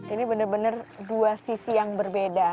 ini benar benar dua sisi yang berbeda